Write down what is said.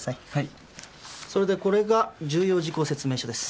それでこれが重要事項説明書です。